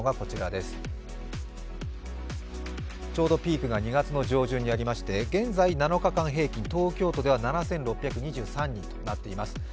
ちょうどピークが２月の上旬にありまして現在、７日間平均、東京都では７６２３人となっています。